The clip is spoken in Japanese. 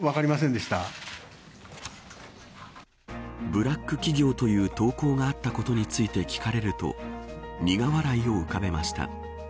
ブラック企業という投稿があったことについて聞かれると苦笑いを浮かべました。